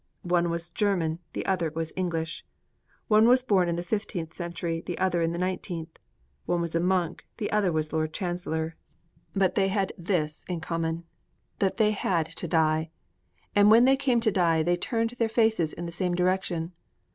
One was German; the other was English. One was born in the fifteenth century; the other in the nineteenth. One was a monk; the other was Lord Chancellor. But they had this in common, that they had to die. And when they came to die, they turned their faces in the same direction.